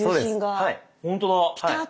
はい。